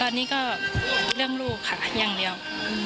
ตอนนี้ก็เรื่องลูกค่ะอย่างเดียว